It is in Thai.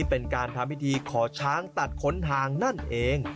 เป็นการทำพิธีขอช้างตัดขนทางนั่นเอง